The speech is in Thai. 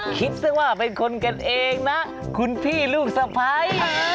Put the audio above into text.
คิดซะว่าเป็นคนกันเองนะคุณพี่ลูกสะพ้าย